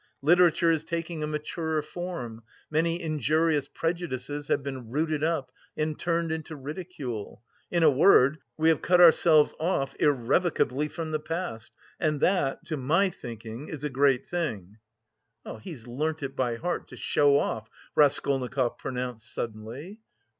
Literature is taking a maturer form, many injurious prejudices have been rooted up and turned into ridicule.... In a word, we have cut ourselves off irrevocably from the past, and that, to my thinking, is a great thing..." "He's learnt it by heart to show off!" Raskolnikov pronounced suddenly.